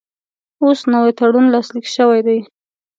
اوس نوی تړون لاسلیک شوی دی.